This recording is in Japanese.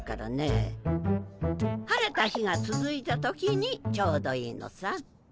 晴れた日がつづいた時にちょうどいいのさ。